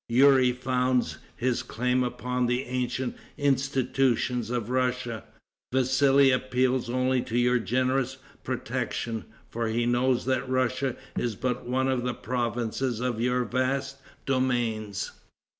Youri founds his claim upon the ancient institutions of Russia. Vassali appeals only to your generous protection, for he knows that Russia is but one of the provinces of your vast domains.